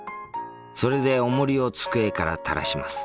それでオモリを机から垂らします。